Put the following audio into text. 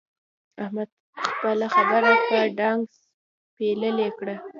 احمد خپله خبره په ډانګ پېيلې کړه.